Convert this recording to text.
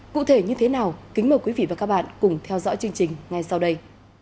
cụ thể như thế nào kính mời quý vị và các bạn cùng theo dõi chương trình ngay sau đây